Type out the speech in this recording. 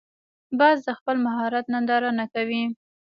باز د خپل مهارت ننداره نه کوي